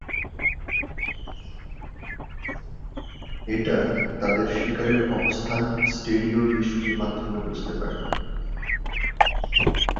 এরা তাদের শিকারের অবস্থান স্টেরিও দৃষ্টির মাধ্যমে বুঝতে পারে।